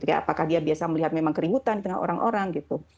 apakah dia biasa melihat memang keributan di tengah orang orang gitu